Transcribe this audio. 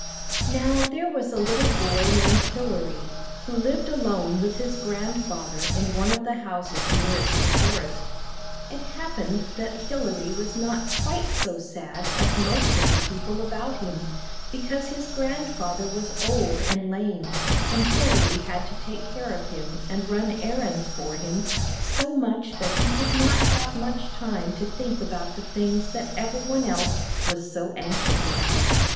Now there was a little boy named Hilary, who lived alone with his grandfather in one of the houses nearest the forest. It happened that Hilary was not quite so sad as most of the people about him, because his grandfather was old and lame, and Hilary had to take care of him and run errands for him so 108 THE BAG OF SMILES much that he did not have much time to think about the things that every one else was so anxious about.